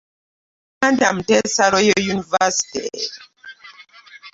Buganda Muteesa I Royal University.